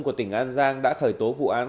của tỉnh an giang đã khởi tố vụ án